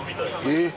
えっ。